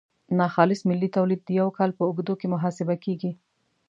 ناخالص ملي تولید د یو کال په اوږدو کې محاسبه کیږي.